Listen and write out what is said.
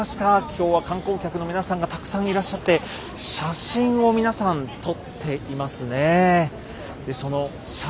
今日は観光客の皆さんがたくさんいらっしゃって写真を皆さん撮っていますね。